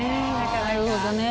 なるほどね。